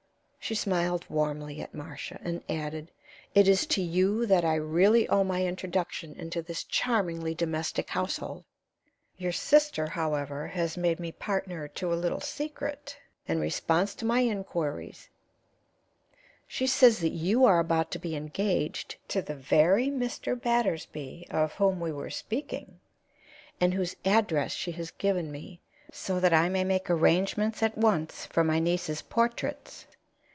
She smiled warmly at Marcia, and added: "It is to you that I really owe my introduction into this charmingly domestic household. Your sister, however, has made me partner to a little secret, in response to my inquiries; she says that you are about to be engaged to the very Mr. Battersby of whom we were speaking, and whose address she has given me, so that I may make arrangements at once for my nieces' portraits.